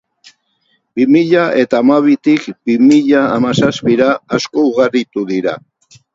Bi mila eta hamabitik bi mila hamazazpira, asko ugaritu dira.